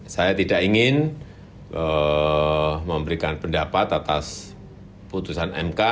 saya tidak ingin memberikan pendapat atas putusan mk